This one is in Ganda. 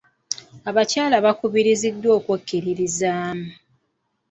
Abakyala baakubiriziddwa okwekkiririzaamu.